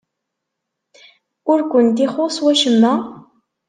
Ur kent-ixuṣṣ wacemma?